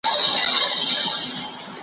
دا هغه بېړۍ ډوبیږي چي مي نکل وو لیکلی `